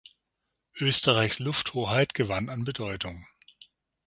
Österreichs Lufthoheit gewann an Bedeutung.